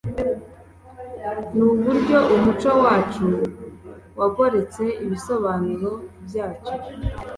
nuburyo umuco wacu wagoretse ibisobanuro byacyo